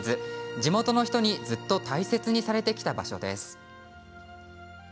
地元の人にずっと大切にされてきた場所です。